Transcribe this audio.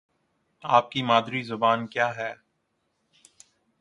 آپ کی مادری زبان کیا ہے؟